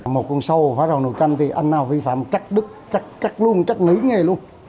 một con sâu phá rào nội canh thì anh nào vi phạm chắc đứt chắc luôn chắc nghỉ nghề luôn